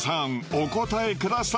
お答えください